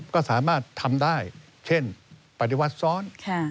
ก็สามารถทำได้เช่นปฏิวัติซ้อน